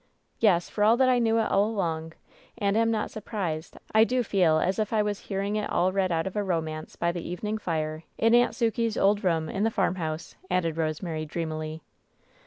"Yes, for all that I knew it all along, and am not surprised, I do feel as if I was hearing it all read out of a romance, by the evening fire, in Aunt Sukey's old room in the farmhouse,'* added Rosemary, dreamily.